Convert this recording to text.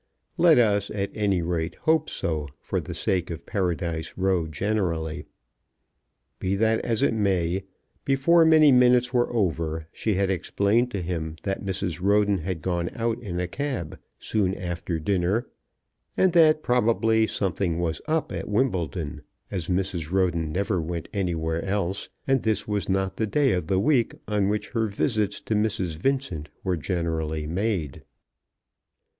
Let us, at any rate, hope so for the sake of Paradise Row generally. Be that as it may, before many minutes were over she had explained to him that Mrs. Roden had gone out in a cab soon after dinner, and that probably something was up at Wimbledon, as Mrs. Roden never went anywhere else, and this was not the day of the week on which her visits to Mrs. Vincent were generally made.